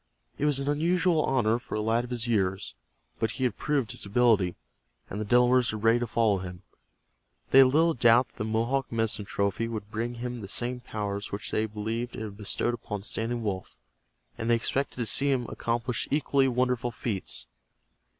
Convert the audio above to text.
It was an unusual honor for a lad of his years, but he had proved his ability, and the Delawares were ready to follow him. They had little doubt that the Mohawk medicine trophy would bring him the same powers which they believed it had bestowed upon Standing Wolf, and they expected to see him accomplish equally wonderful feats.